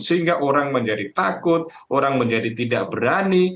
sehingga orang menjadi takut orang menjadi tidak berani